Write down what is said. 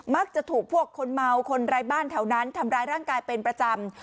จะถูกพวกคนเมาคนไร้บ้านแถวนั้นทำร้ายร่างกายเป็นประจำ